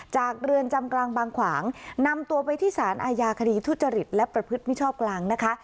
เรือนจำกลางบางขวางนำตัวไปที่สารอาญาคดีทุจริตและประพฤติมิชชอบกลางนะคะ